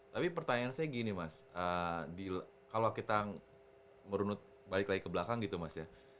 tapi pertanyaan saya gini mas kalau kita merunut balik lagi ke belakang gitu mas ya